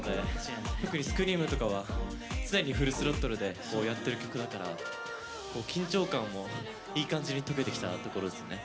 特に「Ｓｃｒｅａｍ」とかは常にフルスロットルでやってる曲だから緊張感もいい感じに解けてきたところですね。